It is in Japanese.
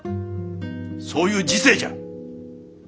そういう時勢じゃ。